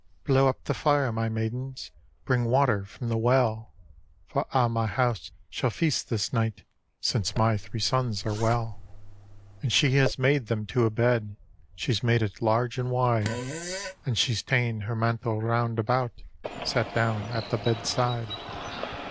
"Blow up the fire, my maidens! Bring water from the well! For a' my house shall feast this night, Since my three sons are well." And she has made to them a bed, She's made it large :uid wide; And she's ta'en her mantle round atraut, Sat down at the bedside.